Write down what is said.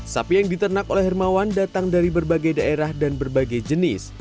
sapi yang diternak oleh hermawan datang dari berbagai daerah dan berbagai jenis